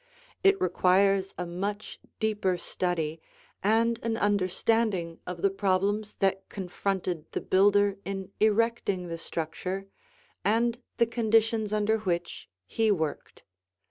It requires a much deeper study and an understanding of the problems that confronted the builder in erecting the structure and the conditions under which he worked.